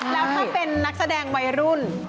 แล้วถ้าเป็นนักแสดงวัยรุ่น